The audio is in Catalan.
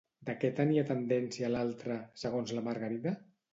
De què tenia tendència l'altre, segons la Margarida?